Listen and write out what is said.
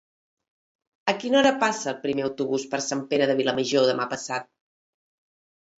A quina hora passa el primer autobús per Sant Pere de Vilamajor demà passat?